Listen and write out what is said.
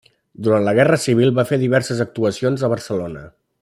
Durant la Guerra Civil va fer diverses actuacions a Barcelona.